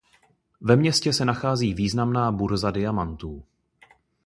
Ve městě se nachází významná burza diamantů.